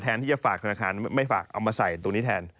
เอามาใส่ตรงนี้แทน